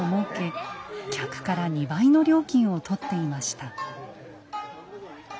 客から２倍の料金をとっていました。